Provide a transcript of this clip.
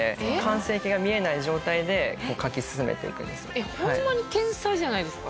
これえっホンマに天才じゃないですか。